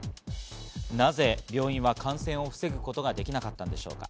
なぜ病院は感染を防ぐことができなかったんでしょうか。